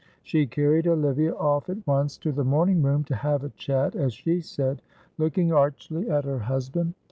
She carried Olivia off at once to the morning room to have a chat, as she said, looking archly at her husband.